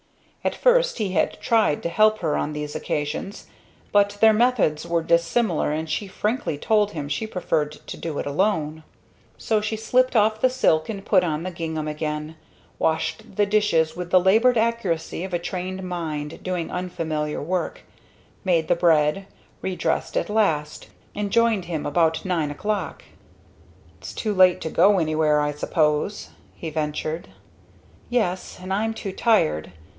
At first he had tried to help her on these occasions, but their methods were dissimilar and she frankly told him she preferred to do it alone. So she slipped off the silk and put on the gingham again, washed the dishes with the labored accuracy of a trained mind doing unfamiliar work, made the bread, redressed at last, and joined him about nine o'clock. "It's too late to go anywhere, I suppose?" he ventured. "Yes and I'm too tired.